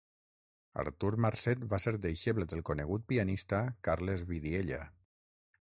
Artur Marcet va ser deixeble del conegut pianista Carles Vidiella.